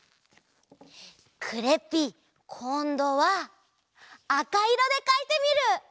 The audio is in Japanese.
クレッピーこんどはあかいろでかいてみる！